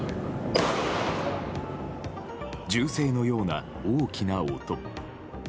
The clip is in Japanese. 銃声のような大きな音。